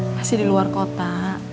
masih di luar kota